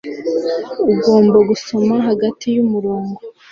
ugomba gusoma hagati yumurongo